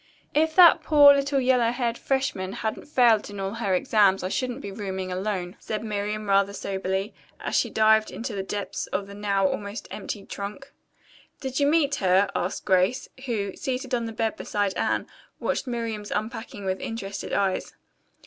"If that poor little yellow haired freshman hadn't failed in all her examinations I shouldn't be rooming alone," said Miriam rather soberly as she dived into the depths of the now almost emptied trunk. "Did you meet her?" asked Grace, who, seated on the bed beside Anne, watched Miriam's unpacking with interested eyes.